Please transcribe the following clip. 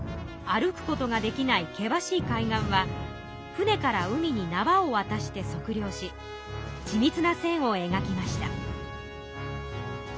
歩くことができない険しい海岸はふねから海になわをわたして測量し緻密な線をえがきました。